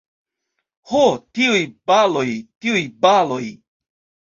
Ho, tiuj baloj, tiuj baloj!